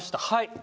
はい。